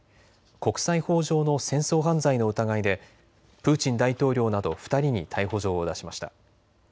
国際法上の戦争犯罪の疑いでプーチン大統領など２人に逮捕状を出しました。